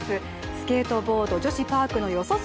スケートボード女子パークの四十住